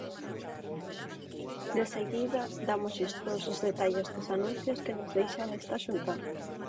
Deseguido, dámoslles todos os detalles dos anuncios que nos deixa esta xuntanza.